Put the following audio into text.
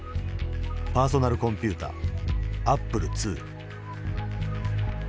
パーソナルコンピューターアップルⅡ。